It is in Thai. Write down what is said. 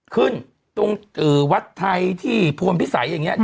ขึ้นตรงวัดไทยที่พลพิสัยอย่างนี้